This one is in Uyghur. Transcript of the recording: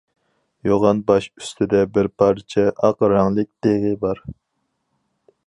يوغان باش ئۈستىدە بىر پارچە ئاق رەڭلىك دېغى بار.